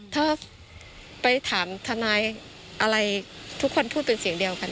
ถ้าไปถามทนายอะไรทุกคนพูดเป็นเสียงเดียวกัน